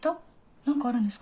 何かあるんですか？